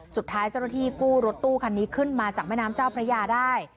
สุดท้ายเจ้าหน้าที่กู้รถตู้คันนี้ขึ้นมาจากแม่น้ำเจ้าพระยาได้